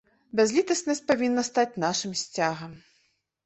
Бязлітаснасць павінна стаць нашым сцягам.